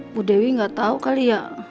bu dewi gak tau kali ya